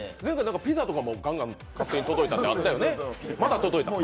ピザとかもガンガン勝手に届いたってあったよね。